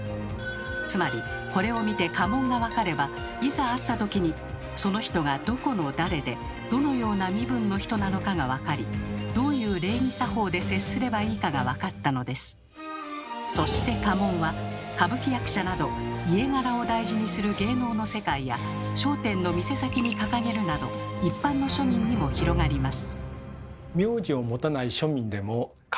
つまりこれを見ていざ会った時にその人がどこの誰でどのような身分の人なのかがわかりそして家紋は歌舞伎役者など家柄を大事にする芸能の世界や商店の店先に掲げるなど一般の庶民にも広がります。